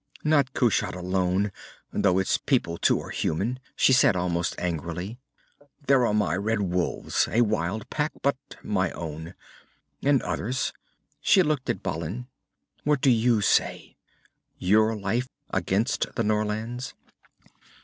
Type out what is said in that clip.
"Not Kushat alone, though its people too are human," she said, almost angrily. "There are my red wolves a wild pack, but my own. And others." She looked at Balin. "What do you say? Your life against the Norlands?"